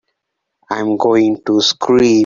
I'm going to scream!